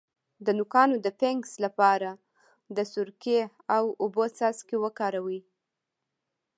د نوکانو د فنګس لپاره د سرکې او اوبو څاڅکي وکاروئ